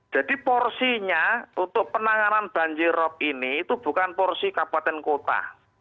jadi porsinya untuk penanganan banjirrop ini itu bukan porsi kabupaten kota